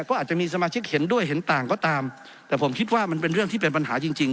ก็อาจจะมีสมาชิกเห็นด้วยเห็นต่างก็ตามแต่ผมคิดว่ามันเป็นเรื่องที่เป็นปัญหาจริงจริง